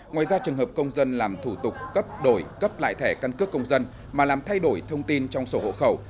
ngoài ra trường hợp công dân làm thủ tục cấp đổi cấp lại thẻ căn cước công dân mà làm thay đổi thông tin trong sổ hộ khẩu